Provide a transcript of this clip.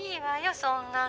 そんなの。